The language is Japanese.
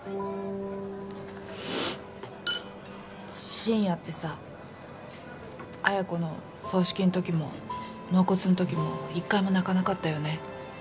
深夜ってさ彩子の葬式の時も納骨の時も一回も泣かなかったよね。